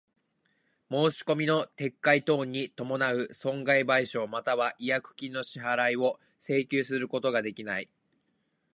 申込みの撤回等に伴う損害賠償又は違約金の支払を請求することができない。